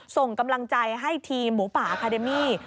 ส่งกำลังใจให้ทีมหมูป่าอาคาเดมี่